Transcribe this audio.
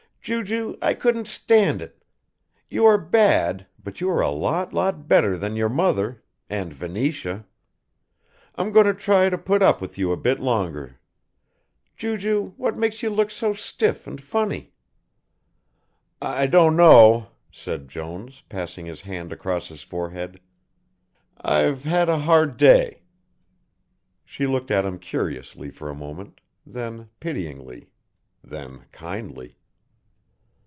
"Ju ju, I couldn't stand it. You are bad but you are a lot, lot better than your mother and Venetia. I'm going to try and put up with you a bit longer Ju Ju, what makes you look so stiff and funny?" "I don't know," said Jones, passing his hand across his forehead. "I've had a hard day." She looked at him curiously for a moment, then pityingly, then kindly.